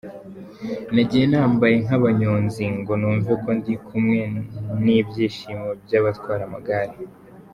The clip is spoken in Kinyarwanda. Nagiye nambaye nk’abanyonzi ngo numve ko ndi kumwe n’ibyishimo by’abatwara amagare.